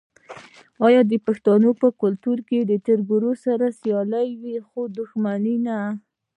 آیا د پښتنو په کلتور کې د تربور سره سیالي وي خو دښمني نه؟